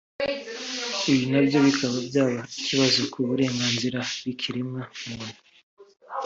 ibi nabyo bikaba byaba ikibazo ku burenganzira bw’ikiremwa muntu